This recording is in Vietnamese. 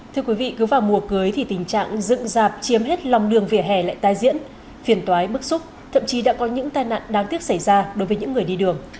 thưa quý vị cứ vào mùa cưới thì tình trạng dựng dạp chiếm hết lòng đường vỉa hè lại tai diễn phiền toái bức xúc thậm chí đã có những tai nạn đáng tiếc xảy ra đối với những người đi đường